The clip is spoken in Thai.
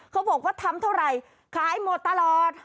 เขาบอกว่าทำเท่าไหร่ขายหมดตลอด